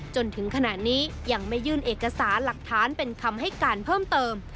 จนถึงขณะนี้ยังไม่ยื่นเอกสารหลักฐานเป็นคำให้การเพิ่มเติม